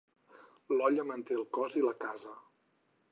L'olla manté el cos i la casa.